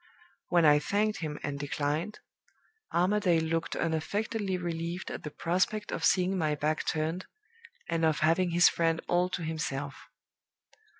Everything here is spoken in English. When I thanked him and declined, Armadale looked unaffectedly relieved at the prospect of seeing my back turned, and of having his friend all to himself.